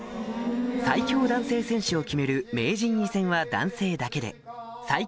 最強男性選手を決める名人位戦は男性だけで最強